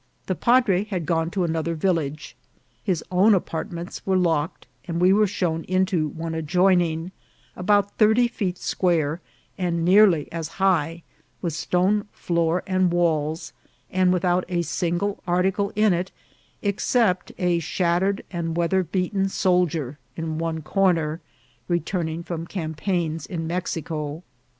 The padre had gone to another village, his own apartments were locked, and we were shown into one adjoining, about thirty feet square, and nearly as high, with stone floor and walls, and without a single article in it except a shattered and weather beaten soldier in one corner, returning from campaigns in Mexico.